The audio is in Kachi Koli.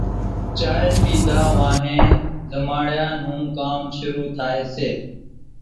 چائيَ پيڌا وانۿين زماڙِيا نون ڪام شرُو ٿائيَ سي۔